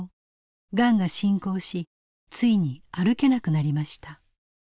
がんが進行しついに歩けなくなりました。